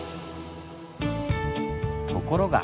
ところが！